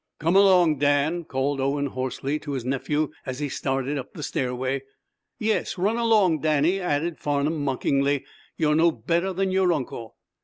"Come along, Dan!" called Owen, hoarsely to his nephew, as he started up the stairway. "Yes, run along, Danny," added Farnum, mockingly. "You're no better than your uncle!"